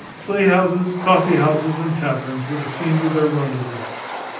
Playhouses, coffeehouses, and taverns were the scenes of their rendezvous.